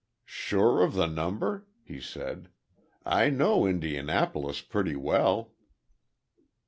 "Sure of the number?" he said, "I know Indianapolis pretty well."